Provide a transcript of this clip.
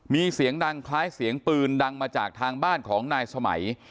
มีเสียงดังคล้ายเสียงปืนดังมาจากทางบ้านของนายสมัย